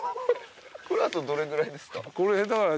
これあとどれぐらいですか？